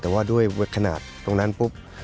แต่ว่าด้วยขนาดตรงนั้นปุ๊บ